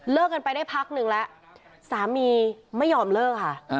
กันไปได้พักนึงแล้วสามีไม่ยอมเลิกค่ะ